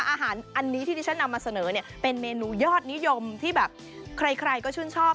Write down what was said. อาหารอันนี้ที่ที่ฉันนำมาเสนอเนี่ยเป็นเมนูยอดนิยมที่แบบใครก็ชื่นชอบ